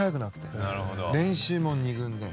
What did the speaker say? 練習も２軍で。